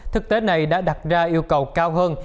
thực tế này đã đặt ra yêu cầu cao hơn